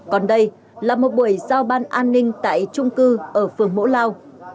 còn đây là một buổi giao ban an ninh tại trung cư ở phường mẫu lao